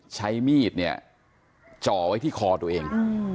ใช้มีดจ่อไว้ที่คอตัวเอง